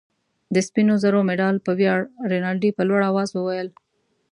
د سپینو زرو د مډال په ویاړ. رینالډي په لوړ آواز وویل.